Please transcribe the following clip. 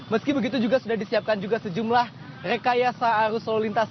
meski begitu juga sudah disiapkan juga sejumlah rekayasa arus lalu lintas